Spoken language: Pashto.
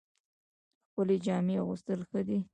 ښکلې جامې اغوستل ښه دي